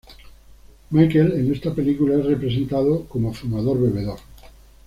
Michael en esta película es representado como fumador, bebedor.